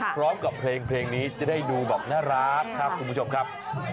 พร้อมกับเพลงนี้จะได้ดูแบบน่ารักครับคุณผู้ชมครับ